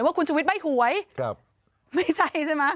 ว่าคุณชุวิตใบ้หวยไม่ใช่ใช่ไหม